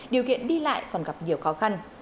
điều kiện đi lại còn gặp nhiều khó khăn